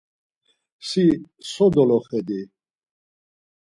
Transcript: Si so doloxet̆i?